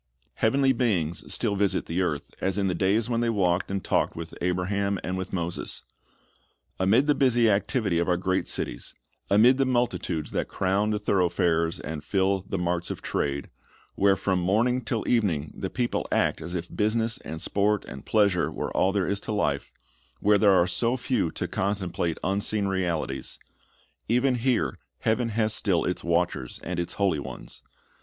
Heavenly beings still visit the earth, as in the days when they walked and talked \\ ith Abraham and with Moses. Amid the busy activity of our great cities, amid the multitudes that crowd the thoroughfares and fill the marts of trade, where from morning till evening the people act as if business and sport and pleasure were all there is to life, where there are so few to contemplate unseen realities, — even here heaven has still its watchers and its holy ones.